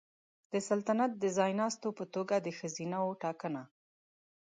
د سلطنت د ځایناستو په توګه د ښځینه وو ټاکنه